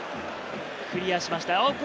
クリアしました。